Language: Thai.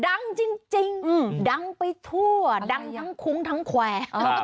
ดังจริงดังไปทั่วดังทั้งคุ้งทั้งแควร์